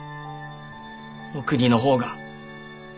お国の方が。